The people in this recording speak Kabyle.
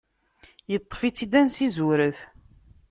Iṭṭef-itt-id ansi zuret.